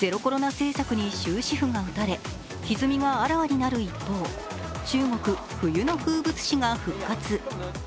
政策に終止符が打たれひずみがあらわになる一方、中国、冬の風物詩が復活。